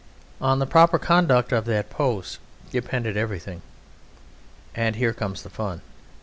On the proper conduct of that post depended everything: and here comes the fun.